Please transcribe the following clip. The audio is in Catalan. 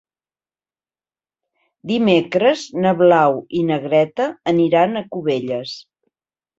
Dimecres na Blau i na Greta aniran a Cubelles.